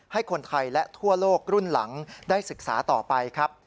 ให้คนไทยและทั่วโลกรุ่นหลังได้ศึกษาต่อไปครับ